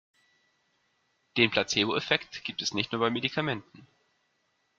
Den Placeboeffekt gibt es nicht nur bei Medikamenten.